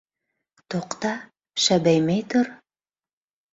Туҡта, шәбәймәй тор.